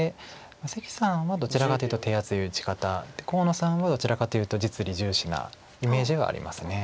関さんはどちらかというと手厚い打ち方で河野さんはどちらかというと実利重視なイメージがあります。